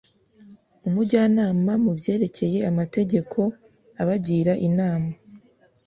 umujyanama mu byerekeye amategeko abagira inama